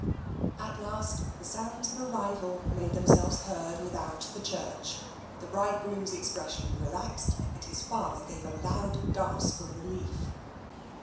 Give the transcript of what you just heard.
At last the sounds of arrival made themselves heard without the church, the bridegroom's expression re laxed, and his father gave a loud gasp of relief.